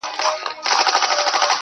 زه چي د شپې خوب كي ږغېږمه دا.